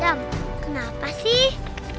dem kenapa sih